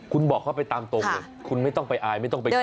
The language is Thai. คุณบอกเขาไปตามตรงเลยคุณไม่ต้องไปอายไม่ต้องไปคิด